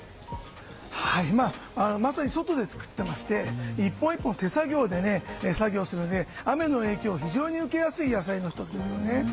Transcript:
まさに、外で作ってまして１本１本手作業で作業するので雨の影響を非常に受けやすい野菜の１つですね。